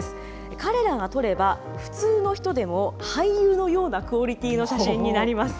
彼らが撮れば、普通の人でも俳優のようなクオリティーの写真になります。